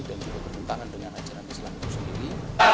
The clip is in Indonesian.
dan juga bertentangan dengan ajaran islam itu sendiri